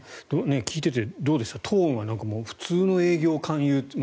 聞いていて、どうでしたトーンは普通の営業、勧誘。